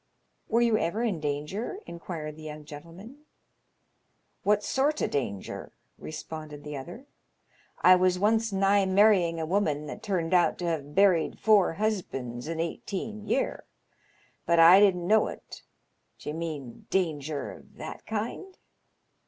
" Were you ever in danger ?" inquired the young gentleman. What sort o' danger?" responded the other. "I was once nigh marrying a woman that turned out to have buried four husbands in eighteen year, but I didn't know it. D'ye mean danger of that kind